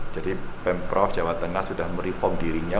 jadi pemprov jawa tengah sudah mereform dirinya